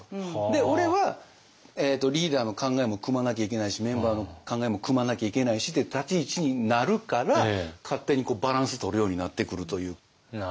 俺はリーダーの考えもくまなきゃいけないしメンバーの考えもくまなきゃいけないしって立ち位置になるから勝手にバランスとるようになってくるという。